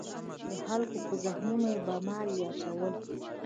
د خلکو په زخمونو به مالګې اچول.